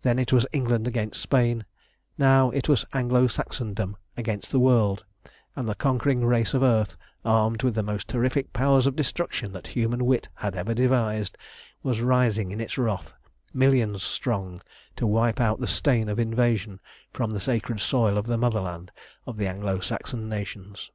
Then it was England against Spain; now it was Anglo Saxondom against the world; and the conquering race of earth, armed with the most terrific powers of destruction that human wit had ever devised, was rising in its wrath, millions strong, to wipe out the stain of invasion from the sacred soil of the motherland of the Anglo Saxon nations.